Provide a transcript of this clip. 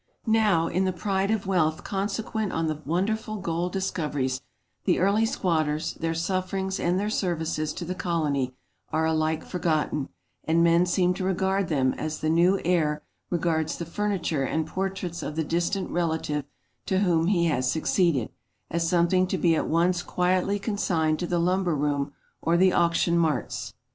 185 Now, in the pride of wealth consequent on the wonderful gold discoveries, the early squatters, their sufferings, and their services to the colony, are alike forgotten, and men seem to regard them, as the new heir regards the furniture and portraits of the distant relative to whom he has succeeded, as something to be at once quietly consigned to the lumber room or the auction marts.